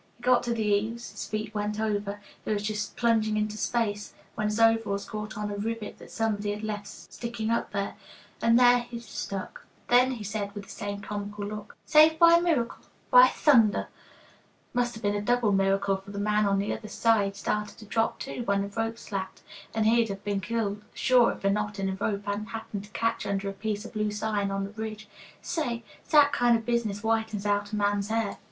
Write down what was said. He got to the eaves, his feet went over, he was just plunging into space when his overalls caught on a rivet that somebody had left sticking up there. And there he stuck. Then he said, with just the same comical look, 'Saved by a miracle, by thunder!' [Illustration: WALKING A GIRDER TWO HUNDRED FEET IN AIR.] "Must have been a double miracle, for the man on the other side started to drop, too, when the rope slacked, and he'd have been killed sure if a knot in the rope hadn't happened to catch under a piece of loose iron on the ridge. Say, it's that kind of business whitens out a man's hair."